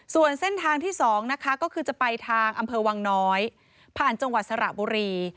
ส่วนเส้นทางที่๒นะคะก็คือจะไปทางอำเภอวังน้อยผ่านจังหวัดสระบุรี